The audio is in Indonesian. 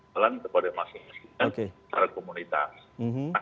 terpaksa kepada masyarakat masyarakat komunitas